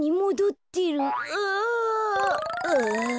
ああ。